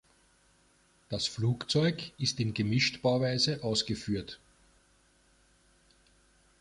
Das Flugzeug ist in Gemischtbauweise ausgeführt.